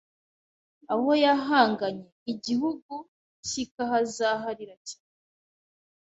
aho yahanganye igihugu kikahazaharira cyane